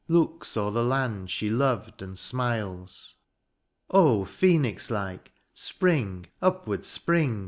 Looks o^er the land she loved and smiles. Oh ! Phenix Uke, spring, upward spring.